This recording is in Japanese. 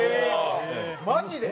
マジで？